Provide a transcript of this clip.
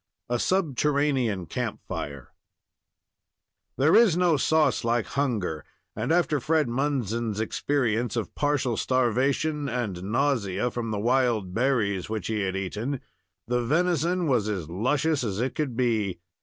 A SUBTERRANEAN CAMP FIRE There is no sauce like hunger, and after Fred Munson's experience of partial starvation, and nausea from the wild berries which he had eaten, the venison was as luscious as could be.